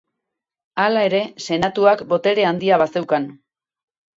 Hala ere, Senatuak botere handia bazeukan.